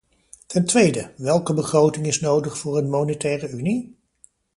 Ten tweede: welke begroting is nodig voor een monetaire unie?